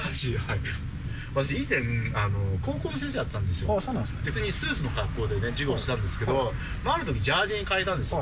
私、以前、高校の先生だったんですよ、スーツの格好で授業してたんですけど、あるとき、ジャージに変えたんですよ。